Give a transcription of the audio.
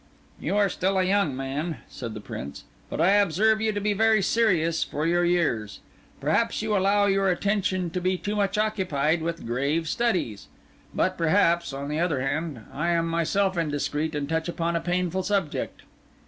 "You are still a young man," said the Prince; "but I observe you to be very serious for your years. Perhaps you allow your attention to be too much occupied with grave studies. But, perhaps, on the other hand, I am myself indiscreet and touch upon a painful subject."